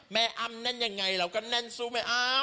แม้อ่ำแน่นอย่างไรเราก็แน่นซู่แม่อ่ำ